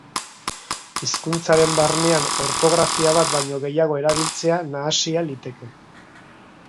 Hizkuntzaren barnean ortografia bat baino gehiago erabiltzea nahasia liteke.